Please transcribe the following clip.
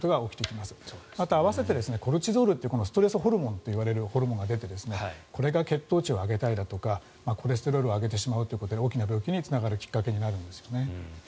また、合わせてコルチゾールというストレスホルモンというホルモンが出てこれが血糖値を上げたりだとかコレステロールを上げてしまうということで大きな病気につながるきっかけになるんですよね。